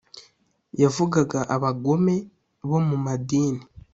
yavugaga abagome bo mu madini.